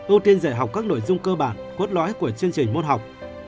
ưu tiên giải học các nội dung cơ bản quốc lõi của chương trình môn học